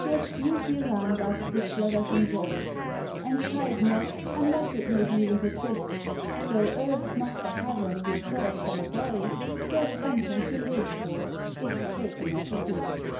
There's beauty around us, which let us enjoy; And chide not, unless it may be with a kiss; Though Earth 's not the Heaven we thought when a boy. There's something to live for, if ta?eu as it is.